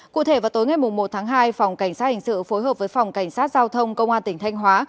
cụ thể vào tối ngày một tháng hai phòng cảnh sát hình sự phối hợp với phòng cảnh sát giao thông công an tỉnh thanh hóa